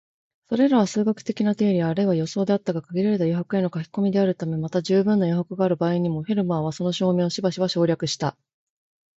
それらは数学的な定理あるいは予想であったが、限られた余白への書き込みであるため、また充分な余白がある場合にも、フェルマーはその証明をしばしば省略した